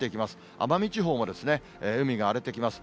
奄美地方もですね、海が荒れてきます。